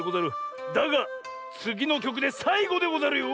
だがつぎのきょくでさいごでござるよ！